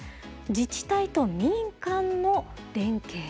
自治体と民間の連携。